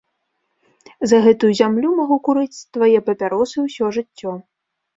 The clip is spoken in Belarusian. За гэтую зямлю магу курыць твае папяросы ўсё жыццё.